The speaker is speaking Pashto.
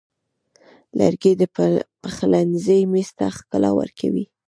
لرګی د پخلنځي میز ته ښکلا ورکوي.